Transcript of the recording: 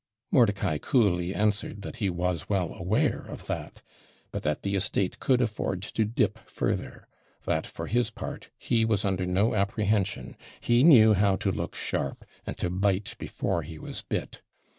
Mordicai coolly answered that he was well aware of that; but that the estate could afford to dip further; that, for his part, he was under no apprehension; he knew how to look sharp, and to bite before he was bit.